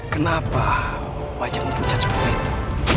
kenapa wajahmu pucat seperti itu